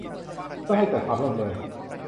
เพื่อให้เกิดความรวดเร็ว